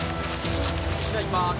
じゃあいきます。